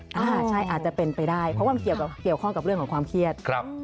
ถ้าหากใช่อาจจะเป็นไปได้เพราะว่ามันเกี่ยวข้องกับเรื่องของความเครียด